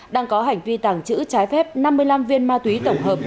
đang có hành vi tàng trữ trái phép năm mươi năm viên ma túy tổng hợp